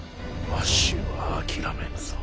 わしは諦めぬぞ。